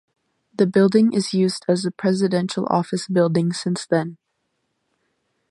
The building is used as the Presidential Office Building since then.